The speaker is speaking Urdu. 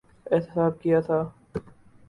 احتساب کیا تھا۔